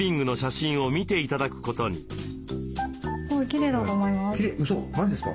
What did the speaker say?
きれいだと思います？